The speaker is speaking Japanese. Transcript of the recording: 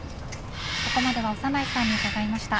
ここまでは長内さんに伺いました。